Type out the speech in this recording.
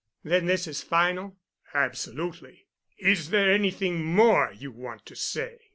"Then this is final?" "Absolutely. Is there anything more you want to say?"